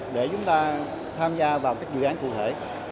để chúng ta tham gia vào các dự án cụ thể